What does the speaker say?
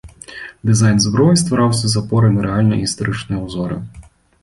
Дызайн зброі ствараўся з апорай на рэальныя гістарычныя ўзоры.